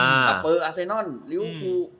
อัปเฟอร์อาเซนอนลิวคูล